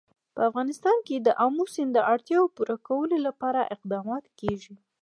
په افغانستان کې د آمو سیند د اړتیاوو پوره کولو لپاره اقدامات کېږي.